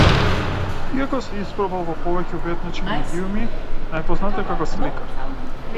Иако се испробал во повеќе уметнички медиуми, најпознат е како сликар.